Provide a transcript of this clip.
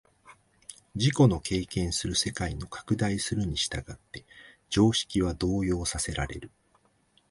自己の経験する世界の拡大するに従って常識は動揺させられる。